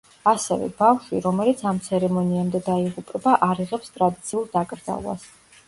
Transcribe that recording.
ასევე, ბავშვი, რომელიც ამ ცერემონიამდე დაიღუპება, არ იღებს ტრადიციულ დაკრძალვას.